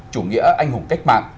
chủ nghĩa anh hùng cách mạng